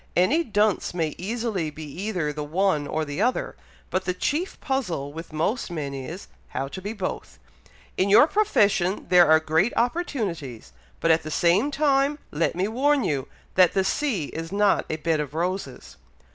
Any dunce may easily be either the one or the other, but the chief puzzle with most men is, how to be both. In your profession there are great opportunities, but at the same time let me warn you, that the sea is not a bed of roses."